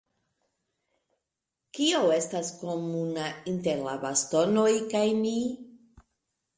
Kio estas komuna inter la bastonoj kaj mi?